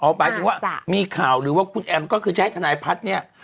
หมายถึงว่ามีข่าวหรือว่าคุณแอมก็คือจะให้ทนายพัฒน์เนี่ย